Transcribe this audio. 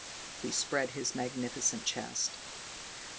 He spread his magnificent chest.